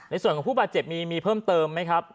ในส่วนของผู้บาดเจ็บมีเพิ่มเติมไหมครับ